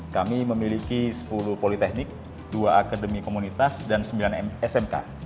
kami memiliki sepuluh politeknik dua akademi komunitas dan sembilan smk